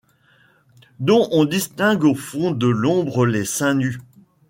Dont on distingue au fond de l'ombre les seins nus ;